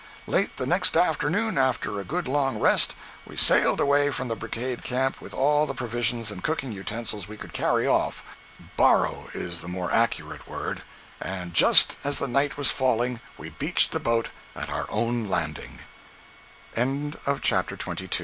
Late the next afternoon, after a good long rest, we sailed away from the Brigade camp with all the provisions and cooking utensils we could carry off—borrow is the more accurate word—and just as the night was falling we beached the boat at our own lan